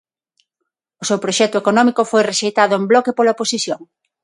O seu proxecto económico foi rexeitado en bloque pola oposición.